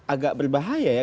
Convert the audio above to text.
agak berbahaya ya